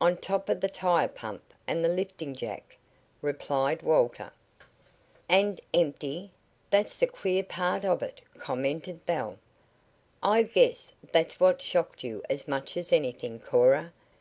"On top of the tire pump and the lifting jack," replied Walter. "And empty that's the queer part of it," commented Belle. "I guess that's what shocked you as much as anything, Cora.